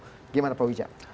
bagaimana pak widja